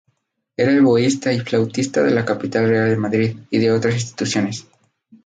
Era oboísta y flautista de la capilla real de Madrid y de otras instituciones.